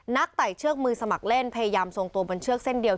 ไต่เชือกมือสมัครเล่นพยายามทรงตัวบนเชือกเส้นเดียว